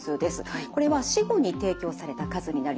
これは死後に提供された数になります。